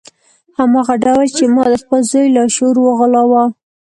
هماغه ډول چې ما د خپل زوی لاشعور وغولاوه